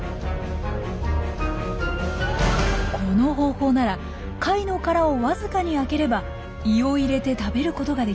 この方法なら貝の殻をわずかに開ければ胃を入れて食べることができます。